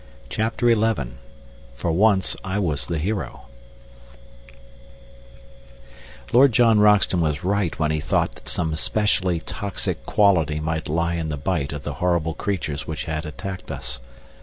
CHAPTER XI "For once I was the Hero" Lord John Roxton was right when he thought that some specially toxic quality might lie in the bite of the horrible creatures which had attacked us.